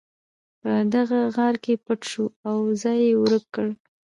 هغه په دې غار کې پټ شو او ځان یې ورک کړ